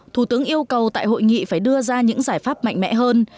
thủ tướng yêu cầu tại hội nghị phải đưa ra những giải pháp mạnh mẽ hơn